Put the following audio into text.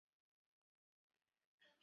另外写入速度有微小的降低。